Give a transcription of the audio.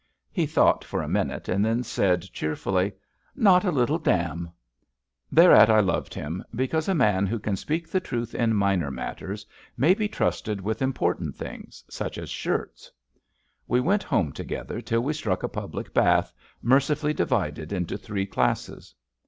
" He thought for a minute and then said cheer fully :^* Not a little dam.*' Thereat I loved him, because a man who can speak the truth in minor matters may be trusted with important things, such as shirts. We went home together till we struck a public bath, mercifully divided into three classes.